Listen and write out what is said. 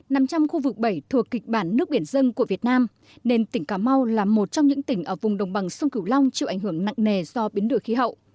nằm trong khu vực bảy thuộc kịch bản nước biển dân của việt nam nên tỉnh cà mau là một trong những tỉnh ở vùng đồng bằng sông cửu long chịu ảnh hưởng nặng nề do biến đổi khí hậu